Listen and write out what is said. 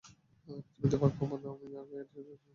তুমি তো ভাগ্যবান, আমি আগে এর চেয়েও বাজেভাবে হারিয়ে গিয়েছিলাম।